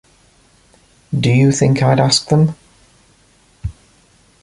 Do you think I'd ask them?